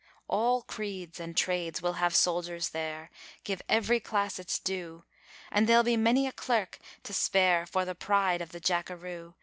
..... All creeds and trades will have soldiers there give every class its due And there'll be many a clerk to spare for the pride of the jackeroo.